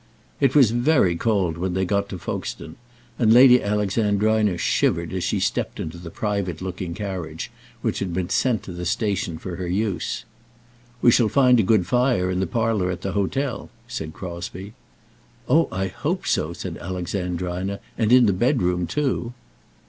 It was very cold when they got to Folkestone, and Lady Alexandrina shivered as she stepped into the private looking carriage which had been sent to the station for her use. "We shall find a good fire in the parlour at the hotel," said Crosbie. "Oh, I hope so," said Alexandrina, "and in the bedroom too."